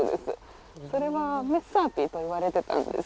それはメッサーピと言われてたんです。